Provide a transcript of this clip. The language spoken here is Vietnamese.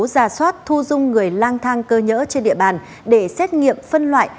giả soát thu dung người lang thang cơ nhỡ trên địa bàn để xét nghiệm phân loại